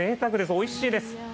おいしいです。